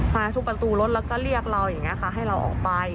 มาทุบประตูรถแล้วก็เรียกเราอย่างนี้ค่ะให้เราออกไป